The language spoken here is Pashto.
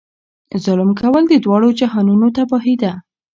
ظلم کول د دواړو جهانونو تباهي ده.